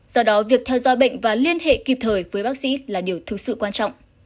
do đó việc theo dõi bệnh và liên hệ kịp thời với bác sĩ là điều thực sự quan trọng